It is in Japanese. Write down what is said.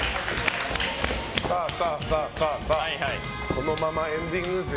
このままエンディングです。